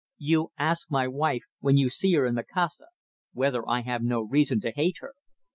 "You ask my wife, when you see her in Macassar, whether I have no reason to hate her.